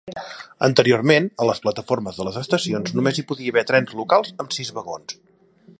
Anteriorment a les plataformes de les estacions només hi podia haver trens locals amb sis vagons.